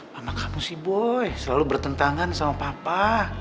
mama kamu si boy selalu bertentangan sama papa